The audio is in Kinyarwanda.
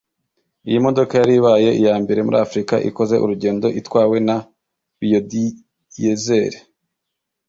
Iyi modoka yari ibaye iya mbere muri Afurika ikoze urugendo itwawe na Biyodiyezeri